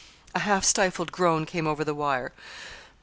A half stifled groan came over the wire.